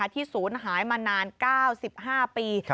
ศูนย์หายมานาน๙๕ปี